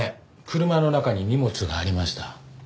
車の中に荷物がありました。